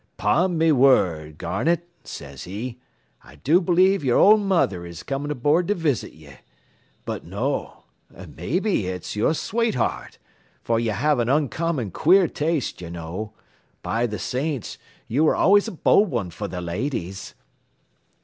"''Pon me whurd, Garnett,' sez he, 'I do belave your own mother is comin' aboard to visit ye but no, maybe it's yer swateheart, fer ye have an uncommon quare taste, ye know. B' th' saints, ye ware always a bold one fer th' ladies.'